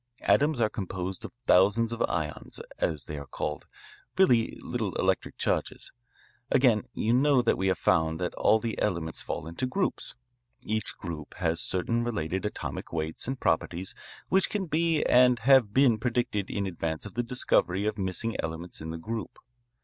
Atoms are composed of thousands of ions, as they are called, really little electric charges. Again, you know that we have found that all the elements fall into groups. Each group has certain related atomic weights and properties which can be and have been predicted in advance of the discovery of missing elements in the group.